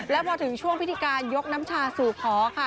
แล้วพอถึงช่วงพิธีการยกน้ำชาสู่ขอค่ะ